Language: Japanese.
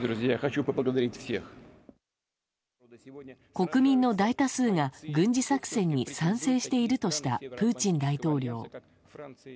国民の大多数が軍事作戦に賛成しているとしたプーチン大統領。